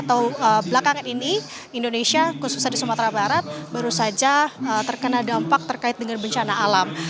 atau belakangan ini indonesia khususnya di sumatera barat baru saja terkena dampak terkait dengan bencana alam